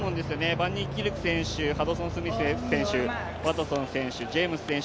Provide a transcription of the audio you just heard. バンニーキルク選手、ハドソンスミス選手、ワトソン選手、ジェームス選手